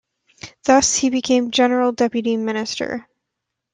Thus, he became General Deputy Minister.